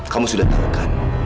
kamu sudah tahu kan